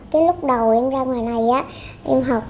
cái lúc đầu em ra ngoài này em học